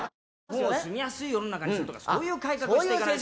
住みやすい世の中にするとかそういう改革をしていかないと。